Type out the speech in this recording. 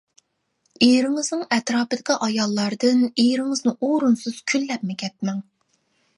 ئېرىڭىزنىڭ ئەتراپىدىكى ئاياللاردىن ئېرىڭىزنى ئورۇنسىز كۈنلەپمۇ كەتمەڭ.